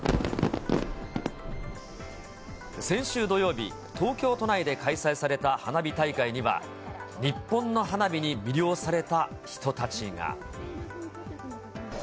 先週土曜日、東京都内で開催された花火大会には、日本の花火に魅了された人たちが。